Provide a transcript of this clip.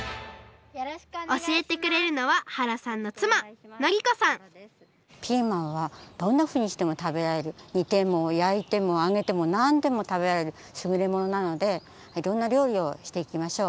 おしえてくれるのは原さんのつまピーマンはどんなふうにしてもたべられるにてもやいてもあげてもなんでもたべられるすぐれものなのでいろんな料理をしていきましょう。